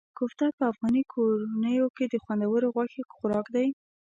کوفته په افغاني کورنیو کې د خوندورو غوښې خوراک دی.